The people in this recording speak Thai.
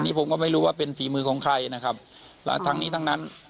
นี่ผมก็ไม่รู้ว่าเป็นฝีมือของใครนะครับและทั้งนี้ทั้งนั้น